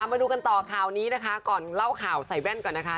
มาดูกันต่อข่าวนี้นะคะก่อนเล่าข่าวใส่แว่นก่อนนะคะ